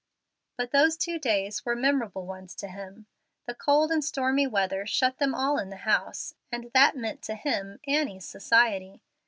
But those two days were memorable ones to him. The cold and stormy weather shut them all in the house, and that meant to him Annie's society.